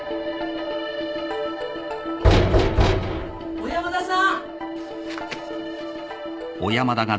・・小山田さん！